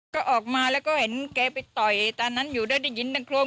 ก็ออกมาแล้วก็เห็นแกไปต่อยตอนนั้นอยู่แล้วได้ยินดังโครม